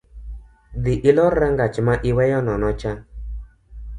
Dhii ilor rangach ma iweyo nono cha